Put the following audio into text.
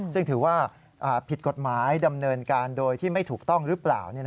ซึ่งถือว่าผิดกฎหมายดำเนินการโดยที่ไม่ถูกต้องหรือเปล่า